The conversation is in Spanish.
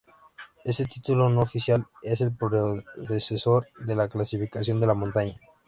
Este título no oficial es el predecesor de la clasificación de la montaña.